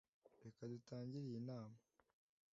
reka dutangire iyi nama.